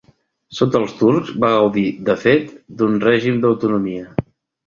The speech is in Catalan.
Sota els turcs va gaudir de fet d'un règim d'autonomia.